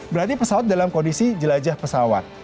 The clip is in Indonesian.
berarti pesawat dalam kondisi jelajah pesawat